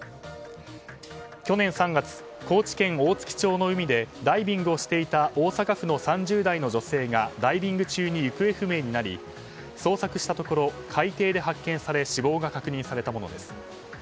去年３月、高知県大月町の海でダイビングをしていた大阪府の３０代の女性がダイビング中に行方不明になり捜索したところ海底で発見され死亡が確認されたものです。